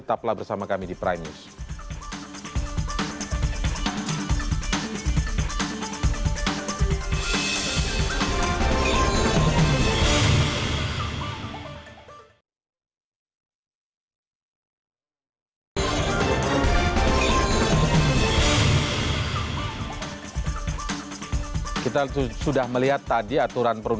tetaplah bersama kami di prime news